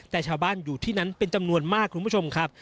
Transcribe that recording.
แต่ชาวบ้านอยู่ที่นั้นเป็นจำนวนมากคุณผู้ชมครับ